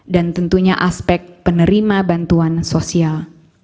dan tentunya aspek penerima bantuan sosial